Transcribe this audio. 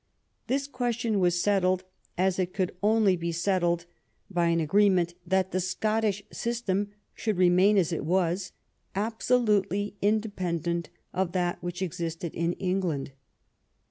This question was settled, as it could only be settled, 175 THE REIGN OF QUEEN ANNE by an agreement that the Scottish system should main as it was, absolutely independent of that which existed in England.